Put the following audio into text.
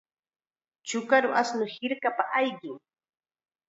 Chukaru ashnu hirkapa ayqin.